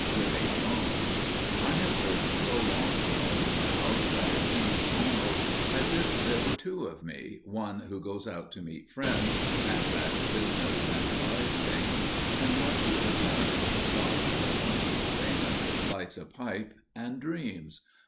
*Living Alone* I have lived so long alone now, that it seems almost as if there were two of me one who goes out to see friends, transacts business and buys things, and one who returns, dons more comfortable raiment, lights a pipe, and dreams.